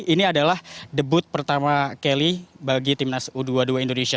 ini adalah debut pertama kelly bagi timnas u dua puluh dua indonesia